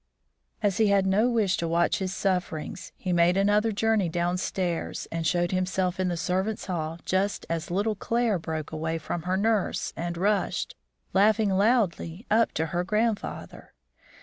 ] As he had no wish to watch his sufferings, he made another journey downstairs and showed himself in the servants' hall just as little Claire broke away from her nurse and rushed, laughing loudly, up to her grandfather.